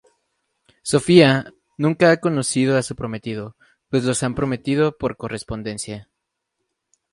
Sofia nunca ha conocido a su prometido, pues los han prometido por correspondencia.